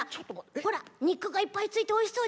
ほらにくがいっぱいついておいしそうでしょ？